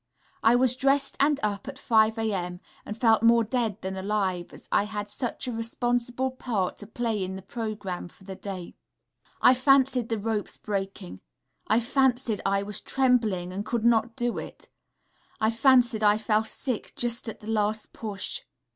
I was dressed and up at 5 0 a.m.; and felt more dead than alive as I had such a responsible part to play in the programme for the day. I fancied the ropes breaking; I fancied I was trembling, and could not do it; I fancied I fell sick just at the last push.